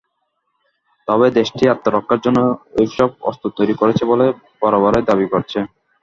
তবে দেশটি আত্মরক্ষার জন্যই এসব অস্ত্র তৈরি করেছে বলে বরাবরই দাবি করেছে।